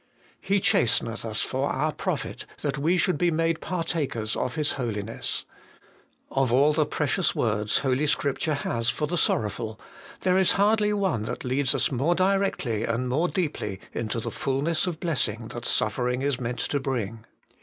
' He chasteneth us for our profit, that we should be made partakers of His holiness.' Of all the precious words Holy Scripture has for the sorrowful, there is hardly one that leads us more directly and more deeply into the fulness of blessing that suffer ing is meant to bring.